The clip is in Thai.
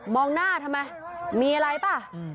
หน้าทำไมมีอะไรป่ะ